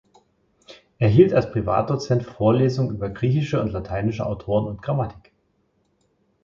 Er hielt als Privatdozent Vorlesungen über griechische und lateinische Autoren und Grammatik.